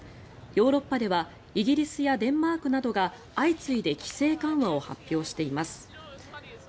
ヨーロッパではイギリスやデンマークなどが相次いで規制緩和を発表しています。